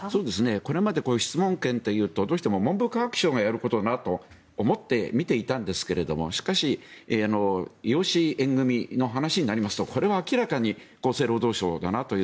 これまでこういう質問権というとどうしても文部科学省がやることになるんだと思って見ていたんですけどもしかし養子縁組の話になりますとこれは明らかに厚生労働省だなという。